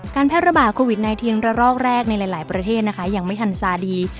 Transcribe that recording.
การแพทย์ระบาดโควิด๑๙ระลอกแรกในหลายประเทศอย่างไม่ทันซาดี